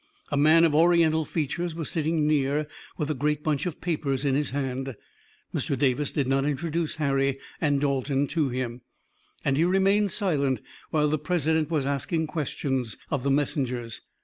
A man of Oriental features was sitting near with a great bunch of papers in his hand. Mr. Davis did not introduce Harry and Dalton to him, and he remained silent while the President was asking questions of the messengers.